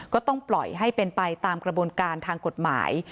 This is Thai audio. ก็ต้องปล่อยให้เป็นไปตามกระบวนการทางกฎหมาย